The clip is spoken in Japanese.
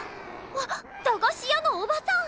わっ駄菓子屋のおばさん！